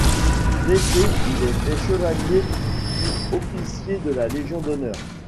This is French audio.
Blessé, il est fait chevalier puis officier de la Légion d'honneur.